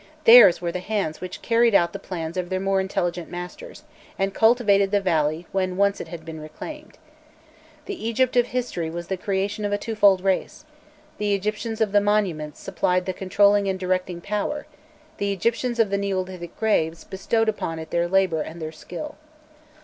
Theirs were the hands which carried out the plans of their more intelligent masters, and cultivated the valley when once it had been reclaimed. The Egypt of history was the creation of a twofold race: the Egyptians of the monuments supplied the controlling and directing power; the Egyptians of the neolithic graves bestowed upon it their labour and their skill.